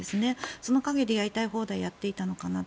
その陰で、やりたい放題やっていたのかなと。